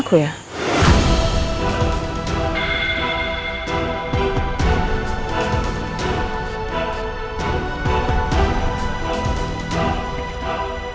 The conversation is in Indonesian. ini adalah abangku yangio